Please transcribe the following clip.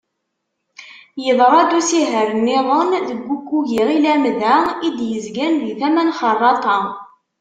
Yeḍra usihar-nniḍen deg uggug Iɣil Amda, i d-yezgan di tama n Xerraṭa.